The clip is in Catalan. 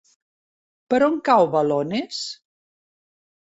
Per on cau Balones?